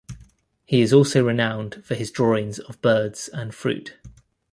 He is also renowned for his drawings of birds and fruit.